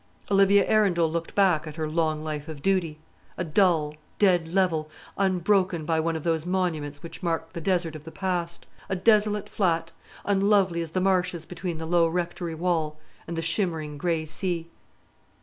Olivia Arundel looked back at her long life of duty a dull, dead level, unbroken by one of those monuments which mark the desert of the past; a desolate flat, unlovely as the marshes between the low Rectory wall and the shimmering grey sea.